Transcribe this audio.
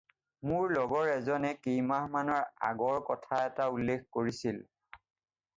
মোৰ লগৰ এজনে কেইমাহমানৰ আগৰ কথা এটা উল্লেখ কৰিছিল।